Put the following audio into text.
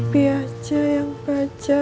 tapi aja yang baca